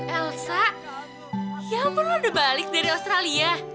elsa ya ampun lo udah balik dari australia